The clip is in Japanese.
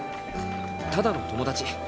ただの友達。